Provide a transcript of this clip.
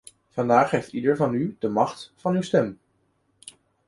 Vandaag heeft ieder van u de macht van uw stem.